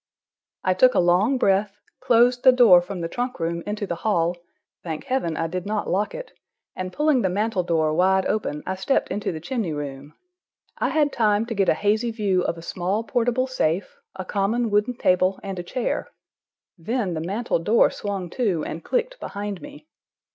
I took a long breath, closed the door from the trunk room into the hall—thank Heaven, I did not lock it—and pulling the mantel door wide open, I stepped into the chimney room. I had time to get a hazy view of a small portable safe, a common wooden table and a chair—then the mantel door swung to, and clicked behind me.